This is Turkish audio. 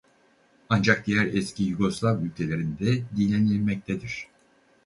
Ancak diğer eski Yugoslav ülkelerinde dinlenilmektedir.